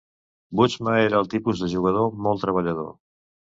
Bootsma era el tipus de jugador molt treballador.